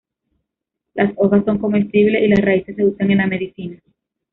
Las hojas son comestibles, y las raíces se usan en la medicina.